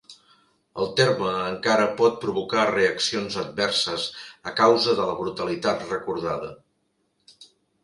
El terme encara pot provocar reaccions adverses a causa de la brutalitat recordada.